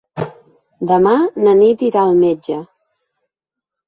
Demà na Nit irà al metge.